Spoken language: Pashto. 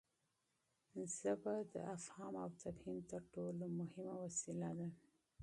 ژبه د افهام او تفهیم تر ټولو مهمه وسیله ده.